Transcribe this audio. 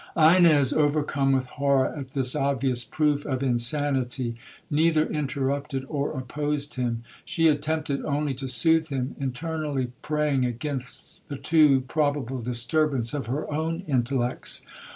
'Ines, overcome with horror at this obvious proof of insanity, neither interrupted or opposed him; she attempted only to soothe him, internally praying against the too probable disturbance of her own intellects.